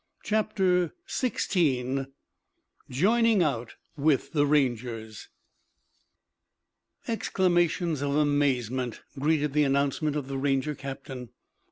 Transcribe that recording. CHAPTER XVI JOINING OUT WITH THE RANGERS Exclamations of amazement greeted the announcement of the Ranger captain.